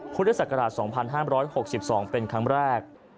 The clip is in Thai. ภูเด็จสักกรราช๒๕๖๒เป็นคำแรก